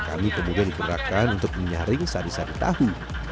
kami kemudian dikenakan untuk menyaring sari sari tahu